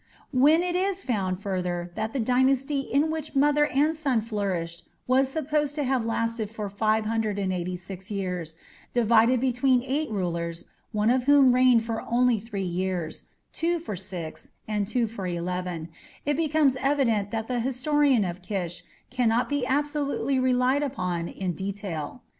When it is found, further, that the dynasty in which mother and son flourished was supposed to have lasted for 586 years, divided between eight rulers, one of whom reigned for only three years, two for six, and two for eleven, it becomes evident that the historian of Kish cannot be absolutely relied upon in detail.